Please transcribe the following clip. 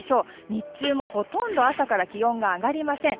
日中も、ほとんど朝から気温が上がりません。